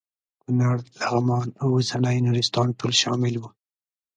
کونړ لغمان او اوسنی نورستان ټول شامل وو.